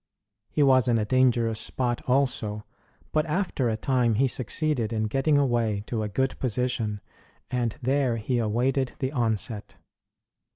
He was in a dangerous spot also; but after a time he succeeded in getting away to a good position, and there he awaited the onset.